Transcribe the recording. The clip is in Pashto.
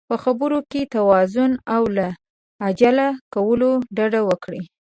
په خبرو کې توازن او له عجله کولو ډډه وکړئ.